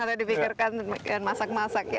atau dipikirkan masak masak ya